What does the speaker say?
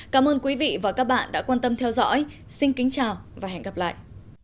cảm ơn quý vị và các bạn đã quan tâm theo dõi xin kính chào và hẹn gặp lại